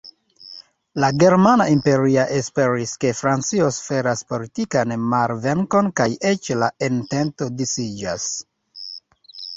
La Germana Imperio esperis, ke Francio suferas politikan malvenkon kaj eĉ la entento disiĝas.